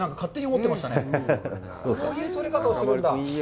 こういう取り方をするんだ。